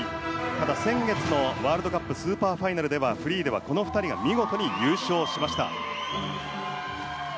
ただ、先月のワールドカップスーパーファイナルではフリーではこの２人が見事に優勝しました。